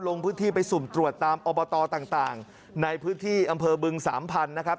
ลงพื้นที่ไปสุ่มตรวจตามอบตต่างในพื้นที่อำเภอบึงสามพันธุ์นะครับ